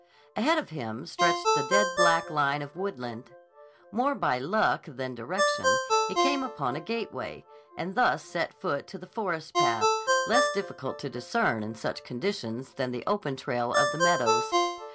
Ahead of him stretched the dead black line of woodland. More by luck than direction, he came upon a gateway, and thus set foot to the forest path, less difficult to discern in such conditions than the open trail of the meadows.